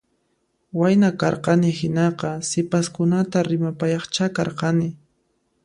Wayna karqanki hinaqa sipaskunata rimapayaqcha karqanki